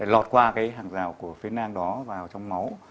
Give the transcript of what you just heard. lọt qua cái hàng rào của phía nang đó vào trong máu